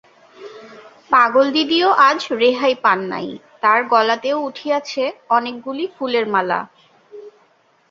পাগলদিদিও আজ রেহাই পান নাই, তার গলাতেও উঠিয়াছে অনেকগুলি ফুলের মালা।